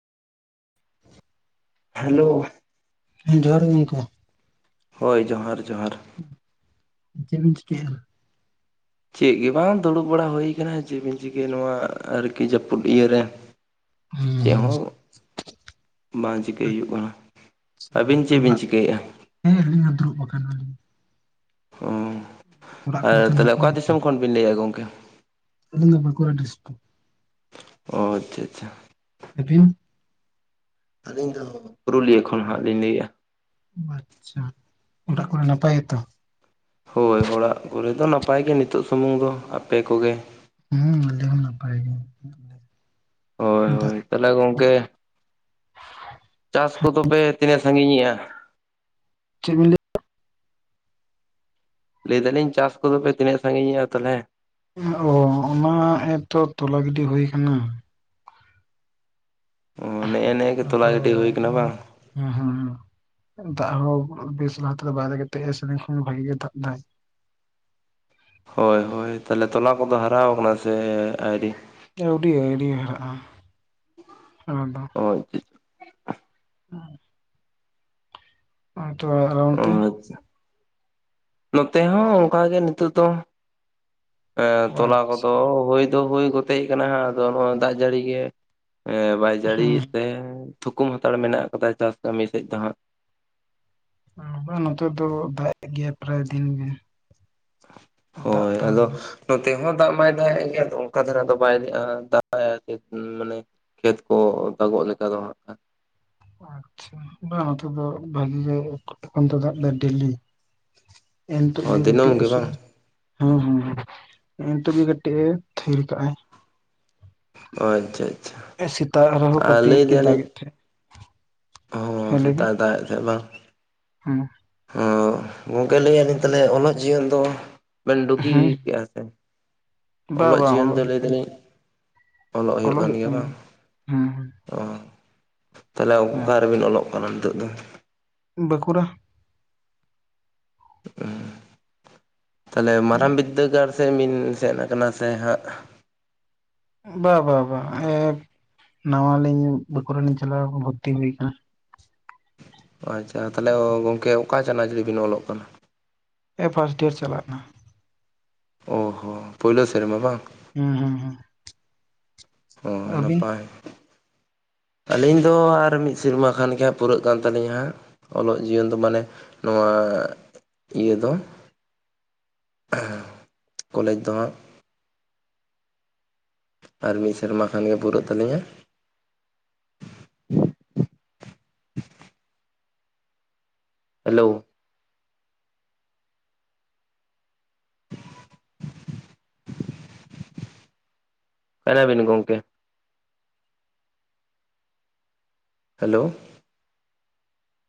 Hello. ᱡᱚᱦᱟᱨ ᱜᱮ ᱜᱚᱝᱠᱮ᱾ ᱦᱳᱭ ᱡᱚᱦᱟᱨ ᱡᱚᱦᱟᱨ᱾ ᱪᱮᱫ ᱵᱤᱱ ᱪᱤᱠᱟᱹᱭ ᱫᱟ? ᱪᱮᱫ ᱜᱮ ᱵᱟᱝ, ᱫᱩᱲᱩᱵ ᱵᱟᱲᱟ ᱦᱩᱭ ᱟᱠᱟᱱᱟ, ᱪᱮᱫ ᱵᱤᱱ ᱪᱤᱠᱟᱹᱭᱟ, ᱱᱚᱣᱟ ᱟᱨᱠᱤ ᱡᱟᱹᱯᱩᱫ ᱤᱭᱟᱹᱨᱮ᱾ ᱪᱮᱫ ᱦᱚᱸ [unintelligible] ᱵᱟᱝ ᱪᱤᱠᱟᱹᱭ ᱦᱩᱭᱩᱜ ᱠᱟᱱᱟ᱾ ᱟᱪᱪᱷᱟ ᱟᱹᱵᱤᱱ ᱪᱮᱫ ᱵᱤᱱ ᱚᱲᱟᱜ ᱪᱤᱠᱟᱹᱭᱮᱼᱟ? ᱦᱮᱸ ᱟᱹᱞᱤᱧ ᱫᱲᱩᱵ ᱟᱠᱟᱱᱟᱞᱤᱧ᱾ ᱚ ᱚᱲᱟᱜ ᱟᱨ ᱠᱚᱨᱮ ᱫᱚ ᱛᱟᱦᱞᱮ ᱱᱟᱯᱟᱭ ᱚᱠᱟ ᱜᱮᱛᱚ? ᱫᱤᱥᱚᱢ ᱠᱷᱚᱱ ᱵᱤᱱ ᱞᱟᱹᱭᱮᱼᱟ ᱜᱚᱝᱠᱮ? ᱟᱹᱞᱤᱧ ᱫᱚ ᱵᱟᱸᱠᱩᱲᱟ ᱰᱤᱥᱴ ᱚᱻ ᱟᱪᱪᱷᱟ ᱟᱪᱪᱷᱟ᱾ ᱟᱹᱵᱤᱱ? ᱟᱹᱞᱤᱧ ᱫᱚ ᱯᱩᱨᱩᱞᱤᱭᱟᱹ ᱠᱷᱚᱱ ᱱᱷᱟᱜ ᱞᱤᱧ ᱞᱟᱹᱭᱮᱫᱼᱟ᱾ ᱟᱪᱪᱷᱟ, ᱚᱲᱟᱜ ᱠᱚᱨᱮ ᱱᱟᱯᱟᱭ ᱜᱮᱛᱚ? ᱦᱳᱭ, ᱚᱲᱟᱜ ᱠᱚᱨᱮ ᱫᱚ ᱱᱟᱯᱟᱭ ᱜᱮ, ᱱᱤᱛᱳᱜ ᱥᱩᱢᱩᱝ ᱫᱚ ᱟᱯᱮ ᱠᱚᱜᱮ? ᱦᱩᱸ ᱱᱚᱰᱮ ᱦᱚᱸ ᱱᱟᱯᱟᱭ ᱜᱮ᱾ ᱛᱟᱦᱞᱮ ᱜᱚᱝᱠᱮ, ᱪᱟᱥ ᱠᱚᱫᱚ ᱯᱮ ᱛᱤᱱᱟᱹᱜ ᱥᱟᱹᱜᱤᱧᱮᱜᱼᱟ? ᱪᱮᱫ ᱵᱤᱱ ᱞᱟᱹ ᱞᱟᱹᱭ ᱫᱟᱞᱤᱧ, ᱪᱟᱥ ᱠᱚᱫᱚᱯᱮ ᱛᱤᱱᱟᱹᱜ ᱥᱟᱹᱜᱤᱧᱮᱜᱼᱟ, ᱛᱟᱦᱞᱮ? ᱚᱻ ᱚᱱᱟ ᱮᱛᱚ ᱛᱚᱞᱟ ᱜᱤᱰᱤ ᱦᱩᱭ ᱟᱠᱟᱱᱟ᱾ ᱚ ᱱᱮᱜ-ᱮ ᱱᱮᱜ-ᱮ ᱛᱚᱞᱟ ᱜᱤᱰᱤ ᱦᱩᱭ ᱟᱠᱟᱱᱟ ᱵᱟᱝ? ᱦᱩᱸ ᱦᱩᱸ ᱦᱩ, ᱫᱟᱜ ᱦᱚ ᱵᱮᱥ ᱞᱟᱦᱟ ᱛᱮᱫᱚ ᱵᱟᱭ ᱫᱟᱜᱮᱫ ᱛᱮᱜᱮ ᱥᱮ ᱫᱤᱱ ᱠᱷᱚᱱ ᱵᱷᱟᱹᱜᱤ ᱜᱮ ᱫᱟᱜ ᱫᱟᱭ? ᱦᱳᱭ ᱦᱳᱭ, ᱛᱟᱦᱞᱮ ᱛᱚᱞᱟ ᱠᱚᱫᱚ ᱦᱟᱨᱟᱣ ᱟᱠᱟᱱᱟ ᱥᱮ ᱟᱹᱣᱨᱤ? ᱟᱹᱣᱰᱤ ᱟᱹᱣᱲᱤ ᱦᱟᱨᱟᱜᱼᱟ, ᱚᱱᱟ ᱫᱚ᱾ [unintelligible] [inaudible] [unintelligible] ᱚ ᱟᱪᱪᱷᱟ᱾ ᱱᱚᱛᱮ ᱦᱚᱸ ᱚᱱᱠᱟ ᱜᱮ ᱱᱤᱛᱚᱜ ᱫᱚ᱾ ᱟᱹ ᱚ ᱛᱚᱞᱟ ᱠᱚᱫᱚ ᱟᱪᱪᱷᱟ ᱦᱩᱭ ᱫᱚ ᱦᱩᱭ ᱜᱚᱛᱮᱡ ᱟᱠᱟᱱᱟ, ᱟᱫᱚ ᱱᱚᱶᱟ ᱫᱟᱜ ᱡᱟᱹᱲᱤ ᱜᱮ᱾ ᱮ ᱵᱟᱭ ᱡᱟᱹᱲᱤ ᱦᱮᱸ ᱛᱮ, ᱛᱷᱩᱠᱩᱢ ᱦᱟᱛᱟᱲ ᱢᱮᱱᱟᱜ ᱠᱟᱫᱟ ᱪᱟᱥ ᱠᱟᱹᱢᱤ ᱥᱮᱫ ᱫᱚ ᱦᱟᱸᱜ᱾ ᱱᱚᱸᱠᱟ ᱱᱚᱛᱮ ᱫᱚ ᱫᱟᱜ ᱮᱫ ᱜᱮᱭᱟ ᱯᱨᱟᱭ ᱫᱤᱱ ᱜᱮ᱾ ᱫᱟᱜ ᱦᱳᱭ, ᱛᱟᱦᱮᱱ ᱟᱫᱚ ᱱᱚᱛᱮ ᱦᱚᱸ ᱫᱟᱜ ᱢᱟᱭ ᱫᱟᱜ-ᱮᱫ ᱜᱮᱭᱟ, ᱛᱚ ᱚᱱᱠᱟ ᱫᱷᱟᱨᱟ ᱫᱚ ᱵᱟᱭ [unintelligible] ᱢᱟᱱᱮ ᱠᱷᱮᱛ ᱠᱚ ᱚ ᱫᱟᱜᱚᱜ ᱞᱮᱠᱟ ᱫᱚ ᱦᱟᱸᱜ ᱟᱪᱪᱷᱟ᱾ ᱵᱟᱝ ᱱᱚᱛᱮ ᱫᱚ ᱵᱷᱟᱹᱜᱤ ᱜᱮ ᱮᱠᱷᱚᱱ ᱛᱚ ᱫᱟᱜ ᱮᱫᱟᱭ ᱰᱮᱞᱤ᱾ ᱮ ᱱᱤᱛᱚᱜ ᱚ ᱜᱮ ᱫᱤᱱᱟᱹᱢ ᱠᱟᱹᱴᱤᱡ ᱵᱟᱝ ᱟᱹᱥᱩᱲ ᱦᱚᱸ ᱦᱚᱸ ᱮ ᱱᱤᱛᱚᱜ ᱠᱟᱹᱴᱤᱡ ᱮ ᱛᱷᱤᱨ ᱠᱟᱜᱼ ᱟᱭ᱾ ᱟᱪᱪᱷᱟ ᱟᱪᱪᱷᱟ ᱮ ᱥᱮᱛᱟᱜ ᱨᱮᱦᱚᱸ ᱟᱨ ᱠᱟᱹᱴᱤᱡ ᱜᱮ ᱫᱟᱜ ᱮᱫ ᱛᱟᱦᱮᱸᱜ᱾ ᱚ ᱥᱮᱛᱟᱜ ᱫᱟᱜ ᱮᱫ ᱛᱟᱦᱮᱸᱫ, ᱵᱟᱝ? ᱦᱩᱸ᱾ ᱚᱻ ᱜᱚᱝᱠᱮ ᱞᱟᱹᱭᱮᱫ ᱞᱤᱧ ᱛᱟᱦᱞᱮ ᱚᱞᱚᱜ ᱡᱤᱭᱚᱱ ᱫᱚ? ᱵᱮᱱ ᱰᱩᱜᱤ ᱦᱮᱸ ᱠᱮᱜᱼᱟ ᱥᱮ, ᱵᱟᱝ ᱚᱞᱚᱜ ᱵᱟᱝ ᱡᱤᱭᱚᱱ ᱫᱚ ᱦᱩᱭᱩᱜ ᱞᱟᱹᱭ ᱠᱟᱱ ᱫᱟᱞᱤᱧ? ᱚᱞᱚᱜ ᱦᱩᱭᱩᱜ ᱠᱟᱱ ᱜᱮᱭᱟ ᱵᱟᱝ? ᱦᱮᱸ ᱦᱮᱸ ᱚᱦᱚ᱾ ᱛᱟᱦᱞᱮ ᱚᱠᱟ ᱨᱮ ᱵᱤᱱ ᱚᱞᱚᱜ ᱠᱟᱱᱟ ᱱᱤᱛᱚᱜ ᱫᱚ? ᱵᱟᱸᱠᱩᱲᱟ᱾ ᱛᱟᱦᱞᱮ ᱢᱟᱨᱟᱝ ᱵᱤᱫᱽᱫᱟᱹᱜᱟᱲ ᱥᱮᱫ ᱵᱤᱱ ᱥᱮᱱ ᱠᱟᱱᱟ ᱥᱮ ᱦᱟᱸᱜ? ᱵᱟ ᱵᱟ ᱵᱟ᱾ ᱦᱮ ᱱᱟᱶᱟ ᱞᱤᱧ, ᱵᱟᱸᱠᱩᱲᱟ ᱞᱤᱧ ᱪᱟᱞᱟᱣ [unintelligible] ᱵᱷᱚᱨᱛᱤ ᱦᱩᱭ ᱟᱠᱟᱱᱟ᱾ ᱟᱪᱪᱷᱟ, ᱛᱟᱦᱚᱞᱮ ᱜᱚᱝᱠᱮ ᱚᱠᱟ ᱪᱟᱱᱟᱪ ᱨᱮ ᱵᱤᱱ ᱚᱞᱚᱜ ᱠᱟᱱᱟ? ᱱᱮᱜ-ᱮ ᱯᱷᱟᱥᱴ ᱤᱭᱟᱨ ᱪᱟᱞᱟᱜ ᱠᱟᱱᱟ ᱾ ᱚ ᱦᱚᱸ, ᱯᱳᱭᱞᱳ ᱥᱮᱨᱢᱟ ᱵᱟᱝ? ᱦᱮᱸ, ᱦᱩᱸ ᱦᱩᱸ ᱾ ᱚ ᱱᱟᱯᱟᱭ ᱾ ᱟᱹᱞᱤᱧ ᱫᱚ ᱟᱨ ᱢᱤᱫ ᱥᱮᱨᱢᱟ ᱠᱷᱟᱱ ᱜᱮ ᱯᱩᱨᱟᱹᱜ ᱠᱟᱱ ᱛᱟᱹᱞᱤᱧᱟ ᱾ ᱚᱞᱚᱜ ᱡᱤᱭᱚᱱ ᱫᱚ ᱢᱟᱱᱮ ᱱᱚᱣᱟ ᱤᱭᱟᱹ ᱫᱚ ᱠᱚᱞᱮᱡᱽ ᱫᱚ ᱦᱟᱸᱜ ᱾ ᱟᱨ ᱢᱤᱫ ᱥᱮᱨᱢᱟ ᱠᱷᱟᱱ ᱜᱮ ᱯᱩᱨᱟᱹᱜ ᱛᱟᱹᱞᱤᱧᱟ ᱾ ᱦᱮᱞᱳ ᱾ ᱟᱠᱟᱭ ᱮᱱᱟ ᱵᱤᱱ ᱜᱚᱝᱠᱮ? ᱦᱮᱞᱳᱻ